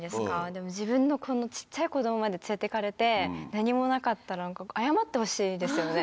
でも、自分のちっちゃい子どもまで連れていかれて、何もなかったら、謝ってほしいですよね。